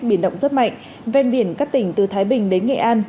biển động rất mạnh ven biển các tỉnh từ thái bình đến nghệ an